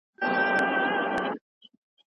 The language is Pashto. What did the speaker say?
آزادي یوازې یو تش شعار دی.